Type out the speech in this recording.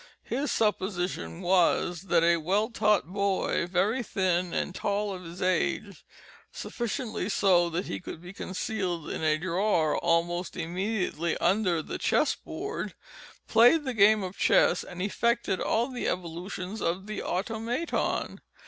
His supposition was that "a well taught boy very thin and tall of his age (sufficiently so that he could be concealed in a drawer almost immediately under the chess board") played the game of chess and effected all the evolutions of the Automaton.